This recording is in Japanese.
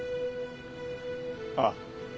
ああ。